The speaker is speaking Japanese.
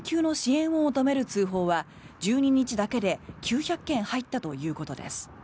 緊急の支援を求める通報は１２日だけで９００件入ったということです。